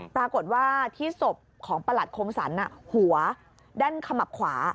ปรากฏว่าที่ศพของประหลัดคมสรรหัวด้านขมับขวา